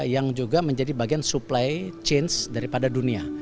yang juga menjadi bagian supply change daripada dunia